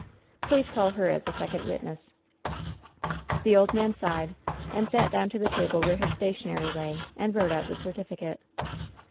Please call her aa a second witness/ "The old man sighed and sat down to the table where his stationery lay, and wrote out the certificate.